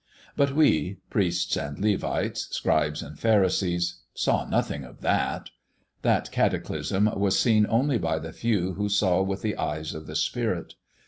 But we priests and Levites, scribes and pharisees saw nothing of that. That cataclysm was seen only by the few who saw with the eyes of the spirit.